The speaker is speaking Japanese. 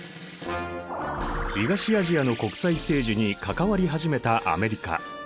東アジアの国際政治に関わり始めたアメリカ。